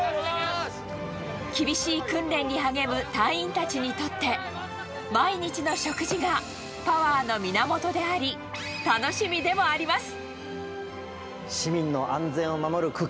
厳しい訓練に励む隊員たちにとって、毎日の食事がパワーの源であり、楽しみでもあります。